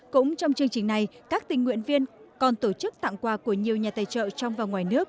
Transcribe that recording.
cũng trong chương trình này các tình nguyện viên còn tổ chức tặng quà của nhiều nhà tài trợ trong và ngoài nước